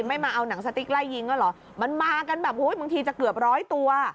ไม่มาเอาหนังสติ๊กไล่ยิงก็เหรอมันมากันแบบบางทีจะเกือบร้อยตัว